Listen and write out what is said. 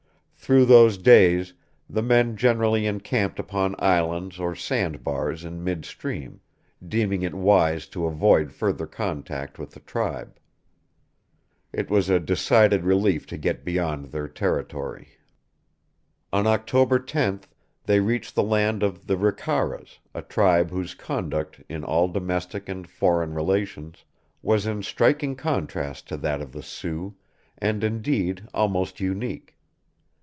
Through those days the men generally encamped upon islands or sand bars in mid stream, deeming it wise to avoid further contact with the tribe. It was a decided relief to get beyond their territory. On October 10th they reached the land of the Ricaras, a tribe whose conduct, in all domestic and foreign relations, was in striking contrast to that of the Sioux, and indeed almost unique.